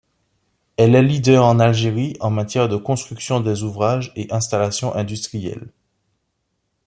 Elle est leader en Algérie en matière de construction des ouvrages et installations industriels.